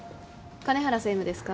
金原専務ですか？